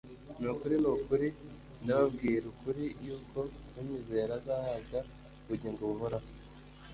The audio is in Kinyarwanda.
ni ukuri ni ukuri ndababwira ukuri yuko unyizera azahabwa ubugingo buhoraho